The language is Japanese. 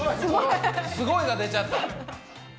すごいが出ちゃった。